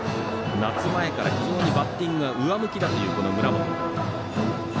夏前から非常にバッティングが上向きだという村本。